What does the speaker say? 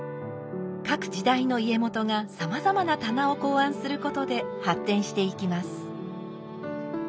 各時代の家元がさまざまな棚を考案することで発展していきます。